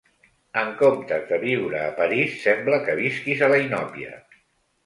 En comptes de viure a París sembla que visquis a la inòpia.